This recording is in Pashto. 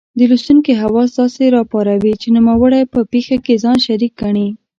د لوستونکې حواس داسې را پاروي چې نوموړی په پېښه کې ځان شریک ګڼي.